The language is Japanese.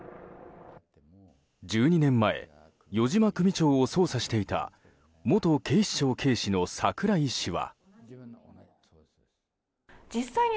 １２年前余嶋組長を捜査していた元警視庁警視の櫻井氏は。